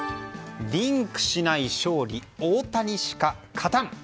リンクしない勝利大谷しか勝たん。